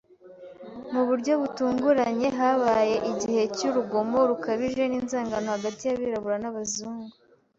Mu buryo butunguranye, habaye igihe cyurugomo rukabije ninzangano hagati yabirabura n'abazungu